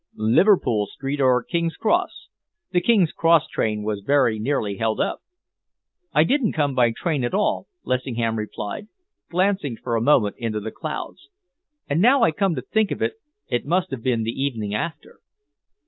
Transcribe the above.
"Liverpool Street or King's Cross? The King's Cross train was very nearly held up." "I didn't come by train at all," Lessingham replied, glancing for a moment into the clouds, "And now I come to think of it, it must have been the evening after."